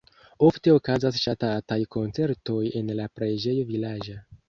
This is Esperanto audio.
Ofte okazas ŝatataj koncertoj en la preĝejo vilaĝa.